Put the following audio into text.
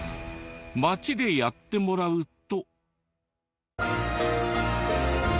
街でやってもらうと。